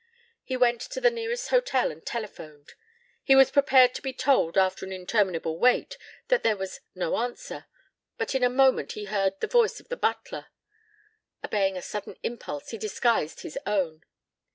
He went to the nearest hotel and telephoned. He was prepared to be told, after an interminable wait, that there was "no answer"; but in a moment he heard the voice of the butler. Obeying a sudden impulse he disguised his own.